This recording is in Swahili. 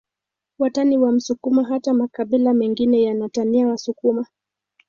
Watani wa msukuma hata makabila mengine yanatania wasukuma